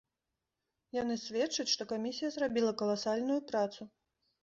Яны сведчаць, што камісія зрабіла каласальную працу.